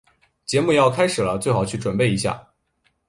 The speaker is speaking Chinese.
节目要开始了，最好去准备一下。